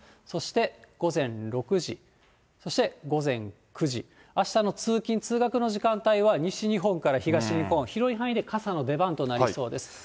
そして午前６時、そして午前９時、あしたの通勤・通学の時間帯は、西日本から東日本、広い範囲で傘の出番となりそうです。